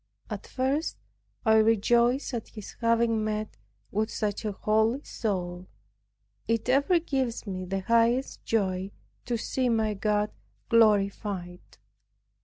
At first I rejoiced at his having met with such a holy soul. It ever gives me the highest joy to see my God glorified.